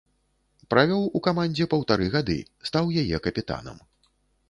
Правёў у камандзе паўтары гады, стаў яе капітанам.